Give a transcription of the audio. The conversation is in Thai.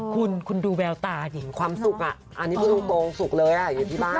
คุณคุณดูแววตาดิความสุขอันนี้พูดตรงสุกเลยอยู่ที่บ้าน